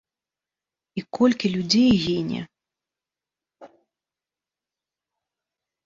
І колькі людзей гіне!